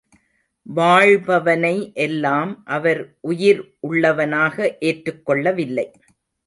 வாழ்பவனை எல்லாம் அவர் உயிர் உள்ளவனாக ஏற்றுக் கொள்ளவில்லை.